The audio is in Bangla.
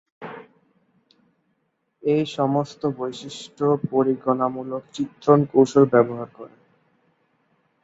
এই সমস্ত বৈশিষ্ট্য পরিগণনামূলক চিত্রণ কৌশল ব্যবহার করে।